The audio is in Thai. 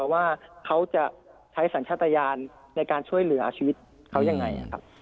ว่าเขาจะใช้สัญชาติยานในการช่วยเหลือชีวิตเขายังไงครับ